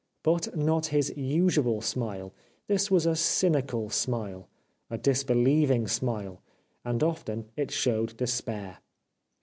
But not his usual smile : this was a cynical smile, a disbelieving smile, and often it shadowed despair.